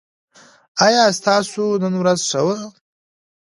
ایا ستاسو نن ورځ ښه وه؟